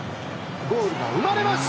ゴールが生まれます。